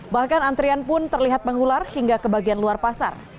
bahkan antrian pun terlihat mengular hingga ke bagian luar pasar